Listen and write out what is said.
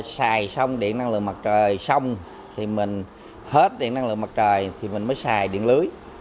xài xong điện năng lượng mặt trời xong thì mình hết điện năng lượng mặt trời thì mình mới xài điện lưới